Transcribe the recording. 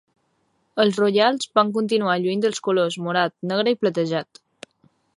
Els Royals van continuar lluint els colors morat, negre i platejat.